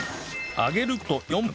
揚げる事４分